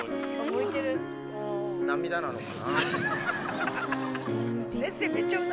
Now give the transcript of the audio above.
涙なのかな？